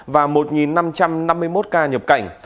và một năm trăm năm mươi một ca nhập cảnh